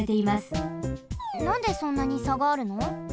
なんでそんなにさがあるの？